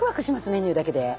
メニューだけで。